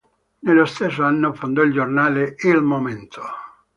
Nello stesso anno fondò il giornale "Il momento".